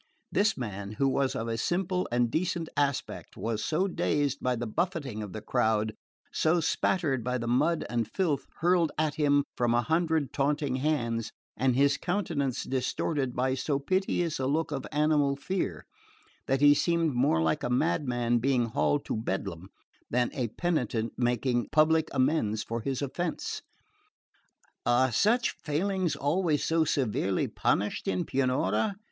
This man, who was of a simple and decent aspect, was so dazed by the buffeting of the crowd, so spattered by the mud and filth hurled at him from a hundred taunting hands, and his countenance distorted by so piteous a look of animal fear, that he seemed more like a madman being haled to Bedlam than a penitent making public amends for his offence. "Are such failings always so severely punished in Pianura?"